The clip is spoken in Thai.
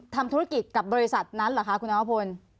ทำธุรกิจกับบริษัทนั้นเหรอคะคุณนวพล